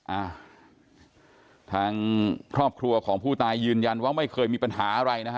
อ่าทางครอบครัวของผู้ตายยืนยันว่าไม่เคยมีปัญหาอะไรนะฮะ